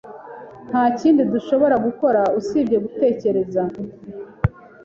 Nta kindi dushobora gukora usibye gutegereza.